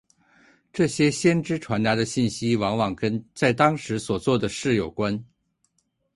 这些先知传达的信息往往跟在当时所做的事有关。